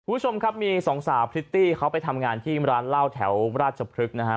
คุณผู้ชมครับมีสองสาวพริตตี้เขาไปทำงานที่ร้านเหล้าแถวราชพฤกษ์นะฮะ